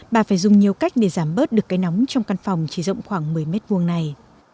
bà phải dùng nhiều cách để giảm bớt được cái nóng trong căn phòng chỉ rộng khoảng một mươi m hai này